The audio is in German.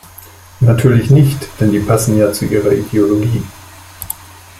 Natürlich nicht, denn die passen ja zu ihrer Ideologie!